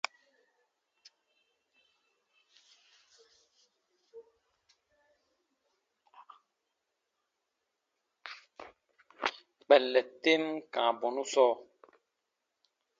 Kpɛllɛn tem kãa bɔnu sɔɔ.